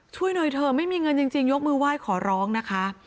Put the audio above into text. ช่วยหน่อยเถอะไม่มีเงินจริงยกมือไหว้ขอร้องนะคะ